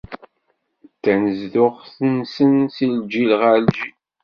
D tanezduɣt-nsen si lǧil ɣer lǧil.